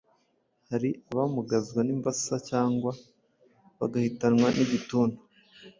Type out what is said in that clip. Hari abamugazwa n’imbasa cyangwa bagahitanwa n’igituntu,